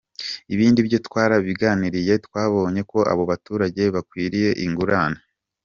Ibindi byo twarabiganiriye twabonye ko abo baturage bakwiriye ingurane.